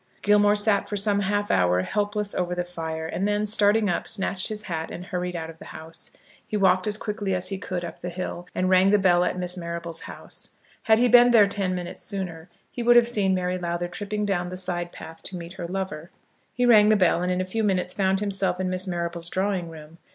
Gilmore sat for some half hour helpless over the fire; and then starting up, snatched his hat, and hurried out of the house. He walked as quickly as he could up the hill, and rang the bell at Miss Marrable's house. Had he been there ten minutes sooner, he would have seen Mary Lowther tripping down the side path to meet her lover. He rang the bell, and in a few minutes found himself in Miss Marrable's drawing room.